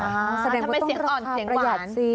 ทำไมเสียงอ่อนเสียงหวาน